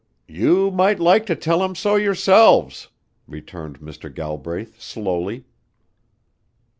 "You might like to tell him so yourselves," returned Mr. Galbraith slowly.